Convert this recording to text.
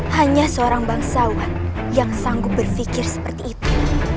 hanya seorang bangsawan yang sanggup berpikir seperti itu